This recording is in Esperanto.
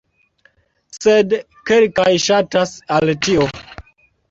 Sed kelkaj ŝatas al tio.